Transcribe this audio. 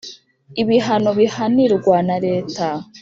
ibihano bihanirwa na leta